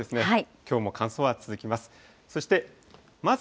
きょうも乾燥は続きます。